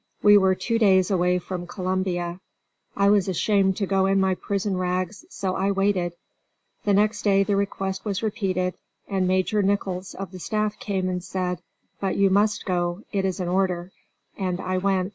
We were two days away from Columbia. I was ashamed to go in my prison rags, so I waited. The next day the request was repeated, and Major Nichols of the staff came and said, "But you must go, it is an order." And I went.